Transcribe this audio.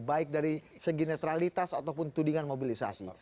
baik dari segi netralitas ataupun tudingan mobilisasi